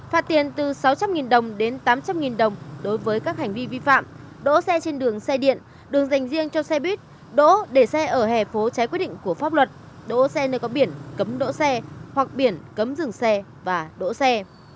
phạt tiền từ sáu trăm linh đồng đến tám trăm linh đồng đối với các hành vi vi phạm đỗ xe trên đường xe điện đường dành riêng cho xe buýt đỗ để xe ở hè phố trái quy định của pháp luật đỗ xe nơi có biển cấm đỗ xe hoặc biển cấm dừng xe và đỗ xe